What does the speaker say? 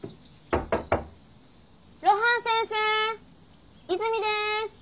露伴先生泉です。